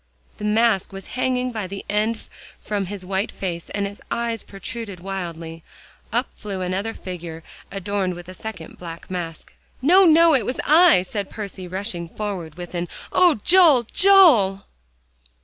The mask was hanging by one end from his white face, and his eyes protruded wildly. Up flew another figure adorned with a second black mask. "No, no, it was I," and Percy rushed forward with an "Oh, Joel, Joel!"